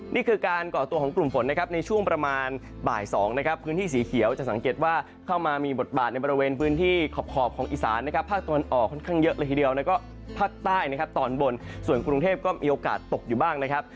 นี่คือการก่อตัวของกลุ่มฝนนะครับในช่วงประมาณบ่าย๒นะครับพื้นที่สีเขียวจะสังเกตว่าเข้ามามีบทบาทในบริเวณพื้นที่ขอบของอีสานนะครับภาคตะวันออกค่อนข้างเยอะเลยทีเดียวแล้วก็ภาคใต้นะครับตอนบนส่วนกรุงเทพก็มีโอกาสตกอยู่บ้างนะครับ